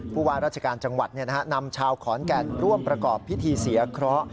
ผู้ว่าราชการจังหวัดนำชาวขอนแก่นร่วมประกอบพิธีเสียเคราะห์